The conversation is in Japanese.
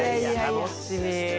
楽しみ！